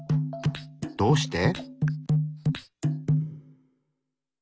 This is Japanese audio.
どうして？